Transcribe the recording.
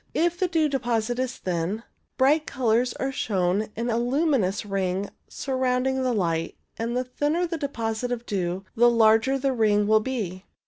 If the dew deposit is thin, bright colours are shown in a luminous ring surrounding the light, and the thinner the deposit of dew the larger the ring will be.